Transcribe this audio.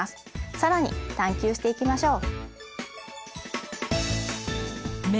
更に探究していきましょう！